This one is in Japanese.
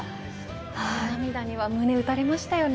あの涙には胸を打たれましたよね。